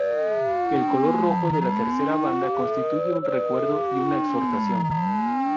El color rojo de la tercera banda constituye un recuerdo y una exhortación.